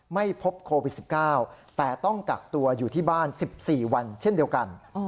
ไม่พบโควิด๑๙แต่ต้องกักตัวอยู่ที่บ้าน๑๔วันเช่นเดียวกัน